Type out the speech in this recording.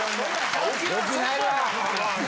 良くないわ。